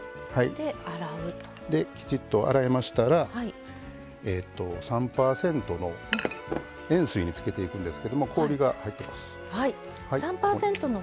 きちんと洗えましたら３％の塩水につけていくんですけど氷が入っています。